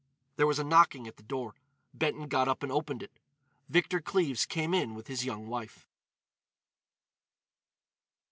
There was a knocking at the door. Benton got up and opened it. Victor Cleves came in with his young wife.